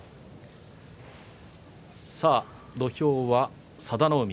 土俵は佐田の海